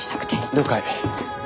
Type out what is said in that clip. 了解。